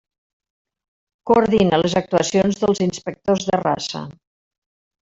Coordina les actuacions dels inspectors de raça.